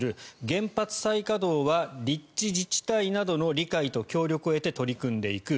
原発再稼働は立地自治体などの理解と協力を得て取り組んでいく。